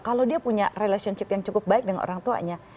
kalau dia punya relationship yang cukup baik dengan orang tuanya